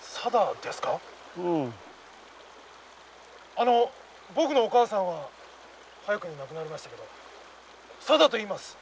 あの僕のお母さんは早くに亡くなりましたけどさだといいます！